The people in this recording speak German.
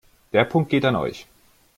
Der Punkt geht an euch.